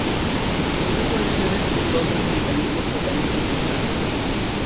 Estas condiciones tienen causas, mecanismos, y tratamientos similares.